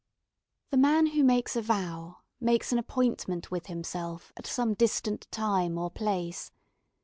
The man who makes a vow makes an appointment with himself at some distant time or place.